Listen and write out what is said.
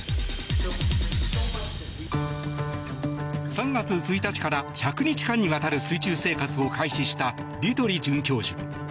３月１日から１００日間にわたる水中生活を開始したディトゥリ准教授。